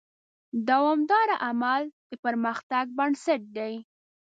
دوامداره عمل د پرمختګ بنسټ دی.